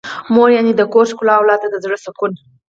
مور يعنې د کور ښکلا او اولاد ته د زړه سکون.